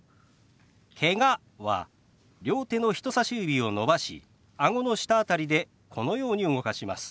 「けが」は両手の人さし指を伸ばしあごの下辺りでこのように動かします。